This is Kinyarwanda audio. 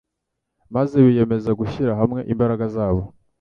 maze biyemeza gushyira hamwe imbaraga zabo